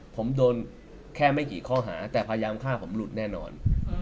ผมโดนแค่ไม่กี่ข้อหาแต่พยายามฆ่าผมหลุดแน่นอน